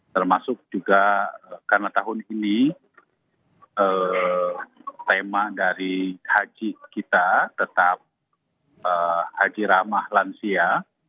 termasuk juga karena tahun ini tema dari haji kita tetap haji ramah lansia